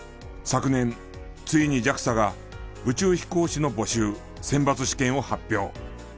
昨年ついにＪＡＸＡが宇宙飛行士の募集選抜試験を発表。